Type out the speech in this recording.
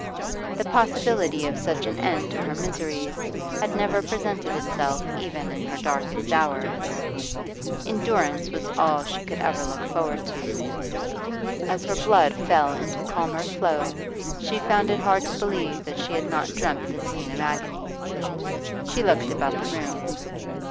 The possibility of such an end to her miseries had never presented itself even in her darkest hours; endurance was all she could ever look forward to. As her blood fell into calmer flow she found it hard to believe that she had not dreamt this scene of agony. She looked about the room.